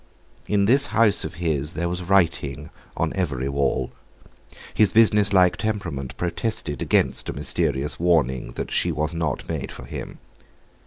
In this house of his there was writing on every wall. His business like temperament protested against a mysterious warning that she was not made for him.